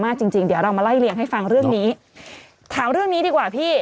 จริงจริงเดี๋ยวเรามาไล่เลี่ยงให้ฟังเรื่องนี้ถามเรื่องนี้ดีกว่าพี่